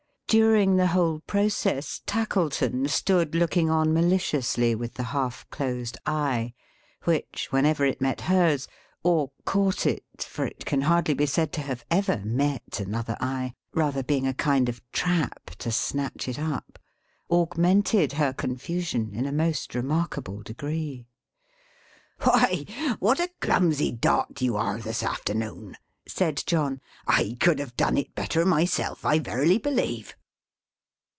During the whole process, Tackleton stood looking on maliciously with the half closed eye; which, whenever it met her's or caught it, for it can hardly be said to have ever met another eye: rather being a kind of trap to snatch it up augmented her confusion in a most remarkable degree. "Why, what a clumsy Dot you are, this afternoon!" said John. "I could have done it better myself, I verily believe!"